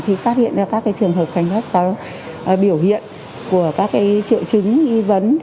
khi phát hiện ra các trường hợp hành khách có biểu hiện của các trợ chứng y vấn